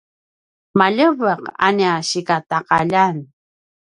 maljeveq a nia sikataqaljan